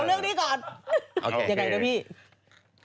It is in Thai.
เอาเรื่องนี้ก่อน